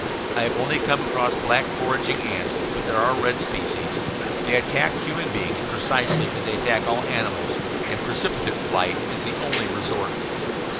I have only come across black foraging ants; but there are red species. They attack human beings precisely as they attack all animals, and precipitate flight is the only resort.